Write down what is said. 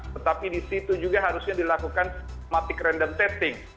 tetapi di situ juga harusnya dilakukan systematic random testing